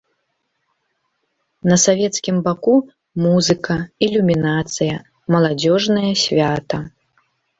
На савецкім баку музыка, ілюмінацыя, маладзёжнае свята.